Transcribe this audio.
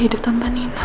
hidup tanpa nino